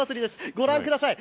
ご覧ください。